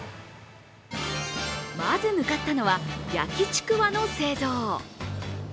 まず向かったのは、焼きちくわの製造。